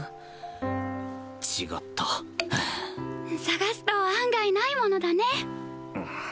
違ったはあ探すと案外ないものだね